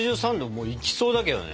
もういきそうだけどね。